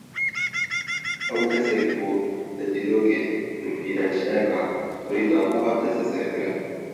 Ew kesê ku li Dîlokê li pîrejineka Sûrî dabû hat desteserkirin.